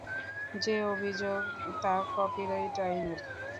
যে অভিযোগ, তা কপিরাইট আইনের।